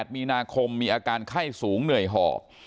๘มีนาคมมีอาการไข้สูงเหนื่อยหอบ